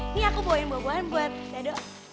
ini aku bawain buah buahan buat dado